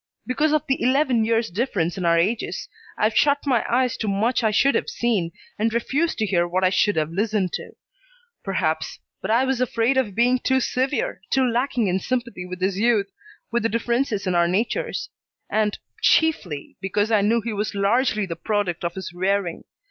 Because of the eleven years' difference in our ages I've shut my eyes to much I should have seen, and refused to hear what I should have listened to, perhaps, but I was afraid of being too severe, too lacking in sympathy with his youth, with the differences in our natures, and, chiefly, because I knew he was largely the product of his rearing.